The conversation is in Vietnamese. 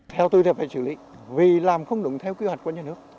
theo tôi thì phải xử lý vì làm không đúng theo quy hoạch của nhà nước